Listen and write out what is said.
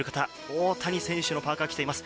大谷選手のパーカを着ています。